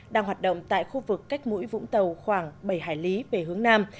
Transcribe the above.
đang hoạt động tại khu vực cách mũi vũng tàu khoảng bảy hải lý về hướng nam